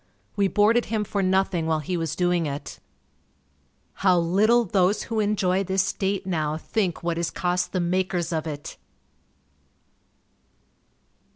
We boarded him for nothing while he was doing it. How little those who enjoy this state now think what is cost the makers of it!